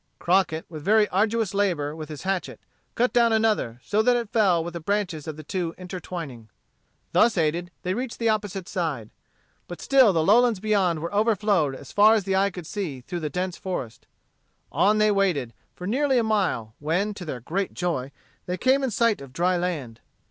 Crockett, with very arduous labor with his hatchet, cut down another, so that it fell with the branches of the two intertwining. Thus aided they reached the opposite side. But still the lowlands beyond were overflowed as far as the eye could see through the dense forest. On they waded, for nearly a mile, when, to their great joy, they came in sight of dry land.